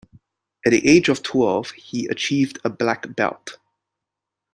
At the age of twelve he achieved a black belt.